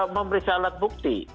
memberi alat bukti